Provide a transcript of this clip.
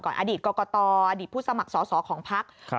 ก่อนอดีตกตอดีตผู้สมัครสอบสอของภักษณ์